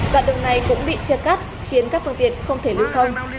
đoạn đường này cũng bị chia cắt khiến các phương tiện không thể lưu thông